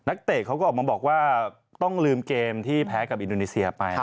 เตะเขาก็ออกมาบอกว่าต้องลืมเกมที่แพ้กับอินโดนีเซียไป